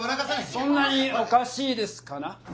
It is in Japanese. そんなにおかしいですかな？